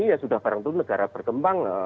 saat ini sudah barang tentu negara berkembang